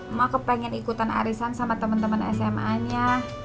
emak kepingin ikutan arisan sama temen temen sma nya